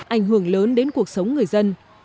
ảnh hưởng lớn đến cuộc sống người dân